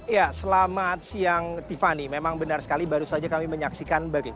ya selamat siang tiffany memang benar sekali baru saja kami menyaksikan